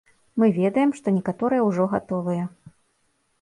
Мы ведаем, што некаторыя ўжо гатовыя.